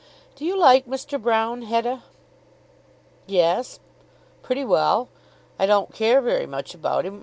"Do you like Mr. Broune, Hetta?" "Yes; pretty well. I don't care very much about him.